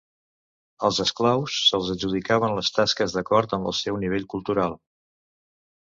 Als esclaus, se'ls adjudicaven les tasques d'acord amb el seu nivell cultural.